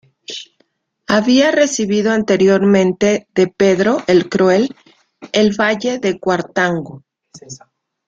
Había recibido anteriormente de Pedro "el Cruel", el valle de Cuartango.